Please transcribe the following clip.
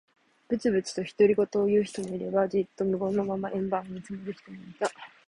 ぶつぶつと独り言を言う人もいれば、じっと無言のまま円盤を見つめている人もいた。